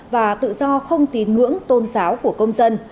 và tự do không tín ngưỡng tôn giáo của công dân